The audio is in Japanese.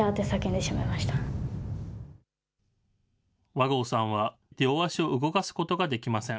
和合さんは、両足を動かすことができません。